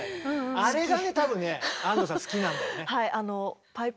あれがね多分ね安藤さん好きなんだろうね。